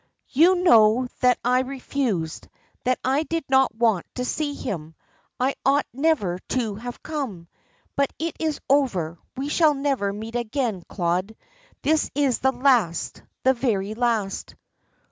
"You know that I refused, that I did not want to see him. I ought never to have come. But it is over. We shall never meet again, Claude. This is the last the very last."